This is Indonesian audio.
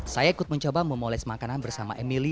saya ikut mencoba memoles makanan bersama emily